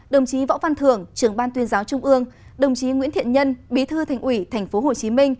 đồng chí võ văn thưởng trưởng ban tuyên giáo trung ương đồng chí nguyễn thiện nhân bí thư thành ủy tp hcm